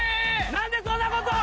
何でそんなこと！？